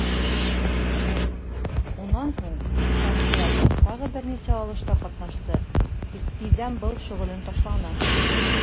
Унан һуң Сантьяго тағы бер нисә алышта ҡатнашты, тик тиҙҙән был шөғөлөн ташланы.